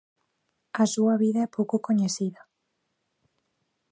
A súa vida é pouco coñecida.